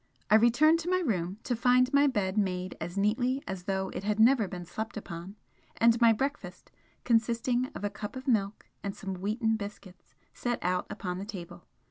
I returned to my room to find my bed made as neatly as though it had never been slept upon, and my breakfast, consisting of a cup of milk and some wheaten biscuits, set out upon the table.